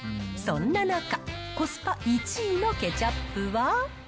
そんな中、コスパ１位のケチャップは。